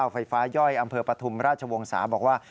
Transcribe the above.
ไฟฟ้าย่อยอำเภอปฐุมราชวงศาบอกว่า